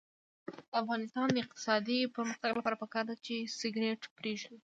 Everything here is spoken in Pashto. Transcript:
د افغانستان د اقتصادي پرمختګ لپاره پکار ده چې سګرټ پریږدو.